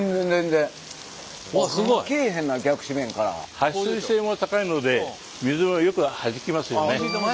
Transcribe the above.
はっ水性も高いので水をよくはじきますよね。